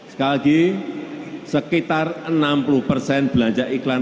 sekali lagi sekitar enam puluh persen belanja iklan